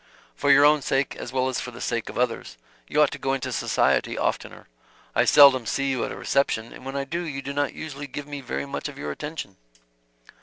For your own sake, as well as for the sake of others, you ought to go into society oftener. I seldom see you at a reception, and when I do you do not usually give me very much of your attention."